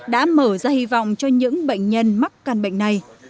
đã mở ra hy vọng cho những bệnh nhân mắc căn bệnh này